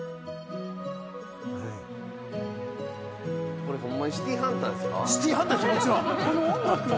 これほんまに『シティーハンター』ですか？